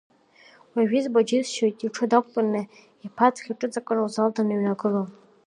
Уажәы избо џьысшьоит, иҽы дақәтәаны, иԥаҭхь иҿыҵакны, узал даныҩнагылоу…